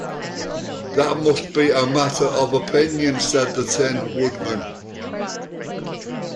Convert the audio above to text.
"That must be a matter of opinion," said the Tin Woodman.